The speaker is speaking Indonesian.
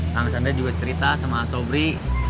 kang hasan dia juga cerita sama asobri